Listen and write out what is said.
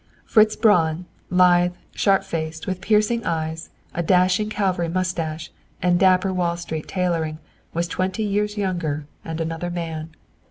Fritz Braun, lithe, sharp faced, with piercing eyes, a dashing cavalry mustache, and dapper Wall Street tailoring, was twenty years younger, and another man.